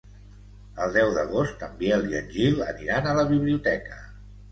El deu d'agost en Biel i en Gil aniran a la biblioteca.